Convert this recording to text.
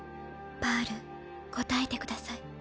パール答えてください。